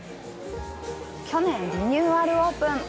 去年、リニューアルオープン！